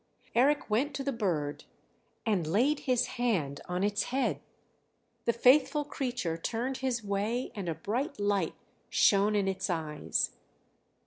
Eric went to the bird and laid his hand on its head; the faithful creature turned his way and a bright light shone in its eyes.